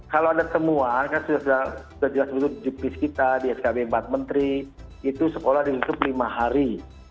kalau ada semua sudah jelas bentuk juklis kita di skb empat menteri itu sekolah dilukup lima hari